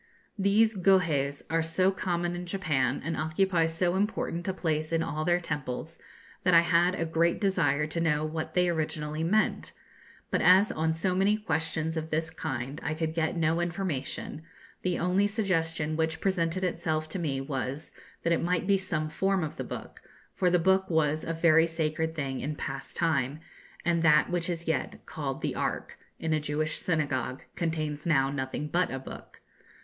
These "Goheis" are so common in Japan, and occupy so important a place in all their temples, that I had a great desire to know what they originally meant; but as on many questions of this kind I could get no information, the only suggestion which presented itself to me was, that it might be some form of the book, for the book was a very sacred thing in past time, and that which is yet called the "Ark," in a Jewish synagogue, contains now nothing but a book.